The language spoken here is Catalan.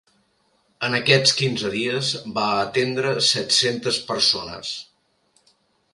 En aquests quinze dies va atendre set-centes persones.